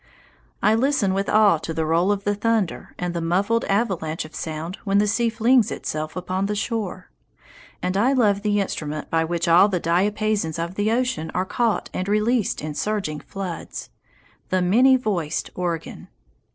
I listen with awe to the roll of the thunder and the muffled avalanche of sound when the sea flings itself upon the shore. And I love the instrument by which all the diapasons of the ocean are caught and released in surging floods the many voiced organ.